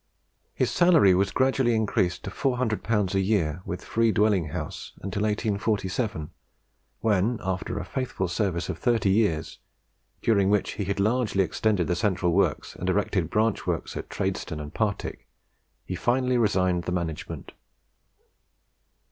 His salary was gradually increased to 400L. a year, with a free dwelling house, until 1847, when, after a faithful service of thirty years, during which he had largely extended the central works, and erected branch works in Tradeston and Partick, he finally resigned the management.